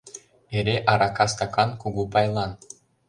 Эре арака стакан Кугу пайлан!